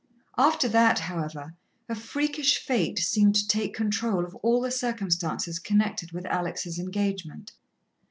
After that, however, a freakish fate seemed to take control of all the circumstances connected with Alex' engagement.